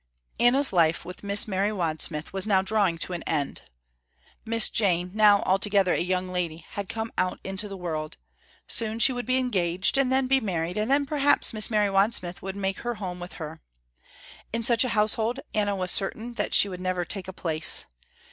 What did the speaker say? Anna's life with Miss Mary Wadsmith was now drawing to an end. Miss Jane, now altogether a young lady, had come out into the world. Soon she would become engaged and then be married, and then perhaps Miss Mary Wadsmith would make her home with her. In such a household Anna was certain that she would never take a place.